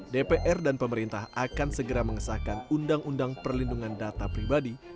dpr dan pemerintah akan segera mengesahkan undang undang perlindungan data pribadi